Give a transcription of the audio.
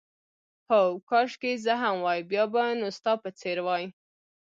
هو، کاشکې زه هم وای، بیا به نو ستا په څېر وای.